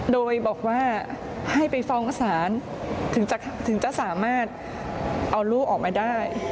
โดยบอกว่าให้ไปฟ้องศาลถึงจะสามารถเอาลูกออกมาได้